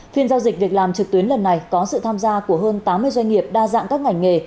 phiên giao dịch việc làm trực tuyến lần này có sự tham gia của hơn tám mươi doanh nghiệp đa dạng các ngành nghề